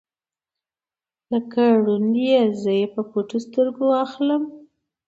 لکه ړوند یې زه په پټو سترګو اخلم